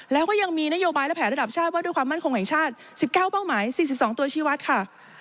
แล้วก็ยังมีนโยบายและแผนระดับชาติว่าด้วยความมั่นคงแห่งชาติ๑๙เป้าหมาย๔๒ตัวชีวัตรค่ะ